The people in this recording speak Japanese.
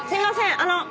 あの。